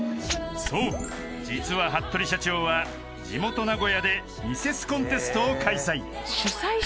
［そう実は服部社長は地元名古屋でミセスコンテストを開催］